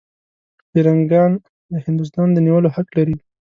پیرنګیان د هندوستان د نیولو حق لري.